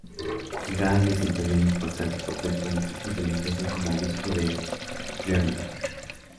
Gal desempeñó un importante papel político y religioso como obispo de Clermont.